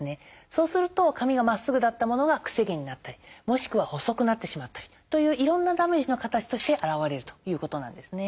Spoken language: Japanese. そうすると髪がまっすぐだったものが癖毛になったりもしくは細くなってしまったりといういろんなダメージの形として表れるということなんですね。